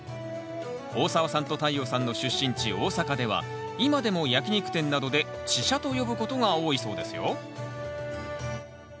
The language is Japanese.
大沢さんと太陽さんの出身地大阪では今でも焼き肉店などでチシャと呼ぶことが多いそうですよ